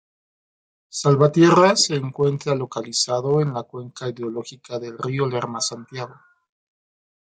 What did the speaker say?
Salvatierra se encuentra localizado en la Cuenca Hidrológica del Río Lerma Santiago.